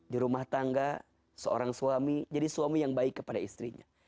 di rumah tangga seorang suami jadi suami yang baik kepada istrinya